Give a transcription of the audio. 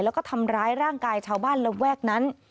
แล้วก็ทำร้ายร่างกายชาวบ้านระแวกนั้น